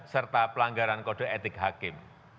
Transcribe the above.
serta pelanggaran kode etik hakim